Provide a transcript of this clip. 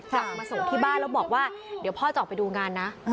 กลับมาส่งที่บ้านแล้วบอกว่าเดี๋ยวพ่อจะออกไปดูงานนะ